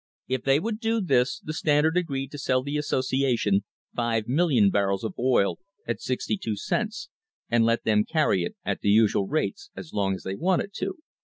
If they would do this the Standard agreed to sell the association 5,000,000 barrels of oil at sixty two cents, and let them carry it at the usual rates as long as they wanted to.